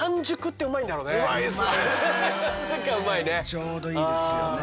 ちょうどいいですよね。